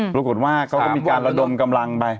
ปรากฏว่าเขาก็มีการระดมกำลังไป